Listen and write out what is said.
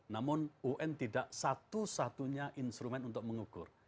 namun un tidak satu satunya instrumen untuk mengukur